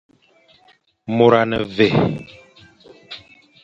Môr a ne mvè.